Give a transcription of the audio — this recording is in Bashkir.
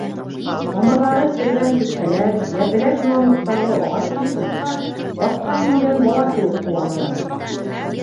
Тамырҙары серегән төпһәләр йә беләк йыуанлыҡтағы ағас килеп сыҡһа, атҡа менгән бала кеүек ҡыуаналар.